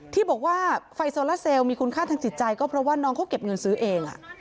ที่บอกว่าไฟโซลาเซลมีคุณค่าทางจิตใจก็เพราะว่าน้องเขาเก็บเงินซื้อเอง